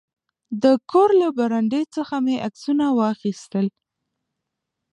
د کور له برنډې څخه مې عکسونه واخیستل.